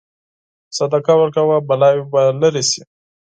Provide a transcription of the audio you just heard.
صدقه ورکوه، بلاوې به لرې شي.